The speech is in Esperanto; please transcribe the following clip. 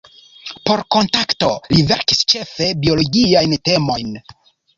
Por "Kontakto" li verkis ĉefe biologiajn temojn.